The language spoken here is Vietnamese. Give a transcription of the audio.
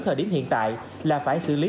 thời điểm hiện tại là phải xử lý